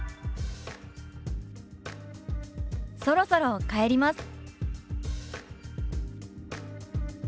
「そろそろ帰ります」。